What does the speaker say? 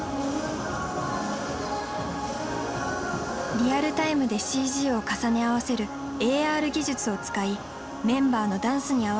リアルタイムでＣＧを重ね合わせるＡＲ技術を使いメンバーのダンスに合わせて光が動きます。